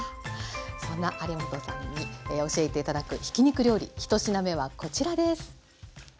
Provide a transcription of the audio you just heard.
そんな有元さんに教えて頂くひき肉料理１品目はこちらです。